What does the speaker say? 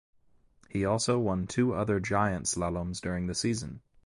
He also won two other giant slaloms during the season.